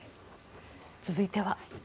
続いては。